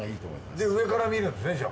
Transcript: で上から見るんですねじゃあ。